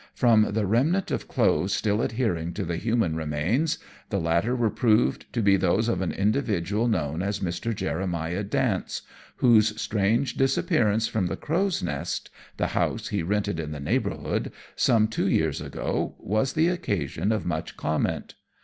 From the remnant of clothes still adhering to the human remains, the latter were proved to be those of an individual known as Mr. Jeremiah Dance, whose strange disappearance from the Crow's Nest the house he rented in the neighbourhood some two years ago, was the occasion of much comment.